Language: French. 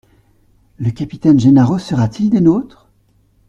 Le capitaine Gennaro sera-t-il des nôtres ?